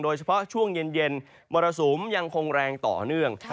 โดยเฉพาะช่วงเย็นมรสุมยังคงแรงต่อเนื่อง